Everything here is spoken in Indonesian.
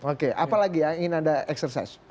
oke apalagi ya ingin anda exercise